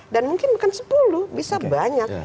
dan mungkin bukan sepuluh bisa banyak